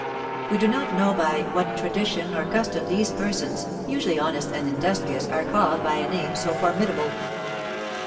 We do not know by what tradition or custom these persons, usually honest and industrious, are called by a name so formidable.